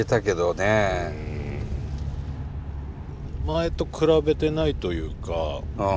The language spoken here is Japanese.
前と比べてないというか。